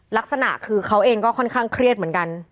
ลักษณะคือเขาเองก็ค่อนข้างเครียดเหมือนกัน